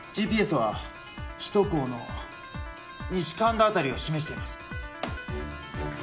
ＧＰＳは首都高の西神田辺りを示しています。